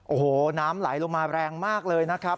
โอ้โหน้ำไหลลงมาแรงมากเลยนะครับ